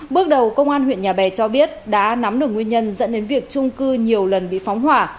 bước đầu công an huyện nhà bè cho biết đã nắm được nguyên nhân dẫn đến việc trung cư nhiều lần bị phóng hỏa